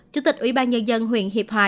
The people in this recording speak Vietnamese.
chủ tịch ủy ban nhân dân huyện hiệp hòa